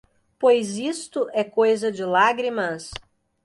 Pois isto é coisa de lágrimas?